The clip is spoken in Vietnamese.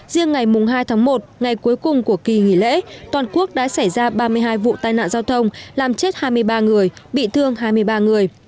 riêng ngày hai tháng một ngày cuối cùng của kỳ nghỉ lễ toàn quốc đã xảy ra ba mươi hai vụ tai nạn giao thông làm chết hai mươi ba người bị thương hai mươi ba người